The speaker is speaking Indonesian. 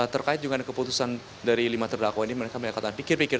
terkait dengan keputusan dari lima terdakwa ini mereka menyatakan pikir pikir